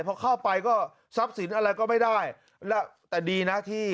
พอเข้าไปก็ทรัพย์สินอะไรก็ไม่ได้แล้วแต่ดีนะที่